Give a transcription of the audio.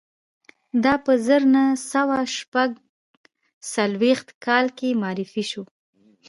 دا په زر نه سوه شپږ څلویښت کال کې معرفي شو